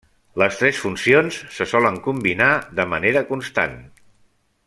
Les tres funcions se solen combinar de manera constant.